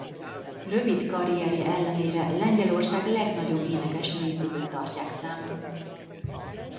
Rövid karrierje ellenére Lengyelország legnagyobb énekesnői között tartják számon.